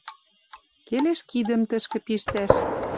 Келеш кидӹм тӹшкӹ пиштӓш.